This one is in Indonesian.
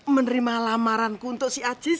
menerima lamaran ku untuk si ajis